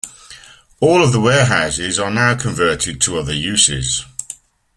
All of the warehouses are now converted to other uses.